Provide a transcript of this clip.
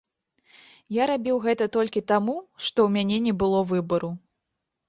Я рабіў гэта толькі таму, што ў мяне не было выбару.